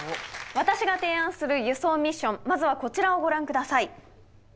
私が提案する輸送ミッションまずはこちらをご覧下さい。